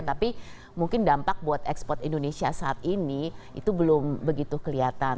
tapi mungkin dampak buat ekspor indonesia saat ini itu belum begitu kelihatan